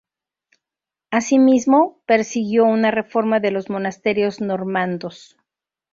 Asimismo persiguió una reforma de los monasterios normandos.